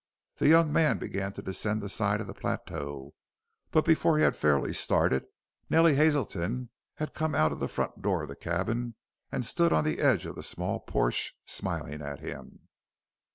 The young man began to descend the side of the plateau, but before he had fairly started Nellie Hazelton had come out of the front door of the cabin and stood on the edge of the small porch, smiling at him.